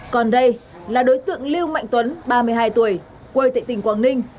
còn đây là đối tượng lưu mạnh tuấn ba mươi hai tuổi quê tệ tỉnh quảng ninh